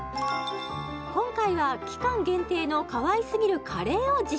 今回は期間限定のかわいすぎるカレーを実